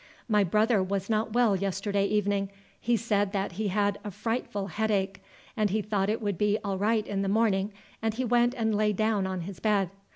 My brother was not well yesterday evening. He said that he had a frightful headache, but he thought it would be all right in the morning, and he went and lay down on his bed.